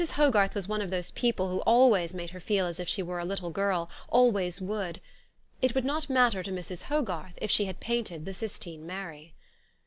Hogarth was one of those people who always made her feel as if she were a little girl, always would : it would not matter to Mrs. Hogarth if she had painted the Sistine Mary.